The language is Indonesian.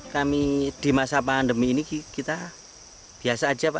kami di masa pandemi ini kita biasa saja